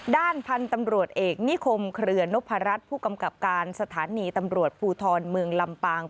ด้านพันธุ์ตำรวจเอกนิคมเครือนพรัชผู้กำกับการสถานีตำรวจภูทรเมืองลำปาง